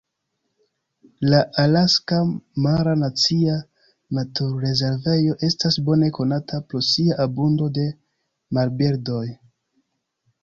La Alaska Mara Nacia Naturrezervejo estas bone konata pro sia abundo de marbirdoj.